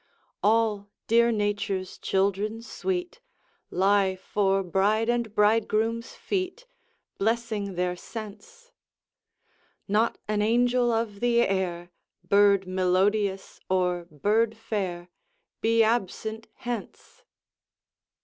All, dear Nature's children sweet, Lie 'fore bride and bridegroom's feet, Blessing their sense! Not an angel of the air, Bird melodious or bird fair, Be absent hence!